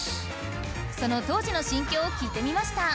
その当時の心境を聞いてみました！